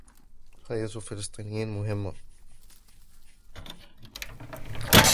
حياة الفلسطينيين مهمة.